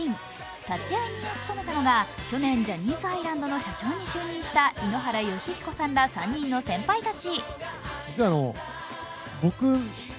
立会人を務めたのが去年、ジャニーズアイランドの社長に就任した井ノ原快彦さんら３人の先輩たち。